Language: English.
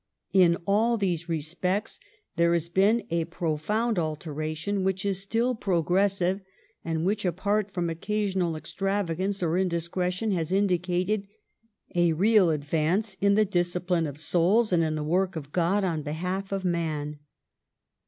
In all these respects there has been a pro found alteration, which is still progressive, and which, apart from occasional extravagance or indis cretion, has indicated a real advance in the disci pline of souls and in the work of God on behalf of man.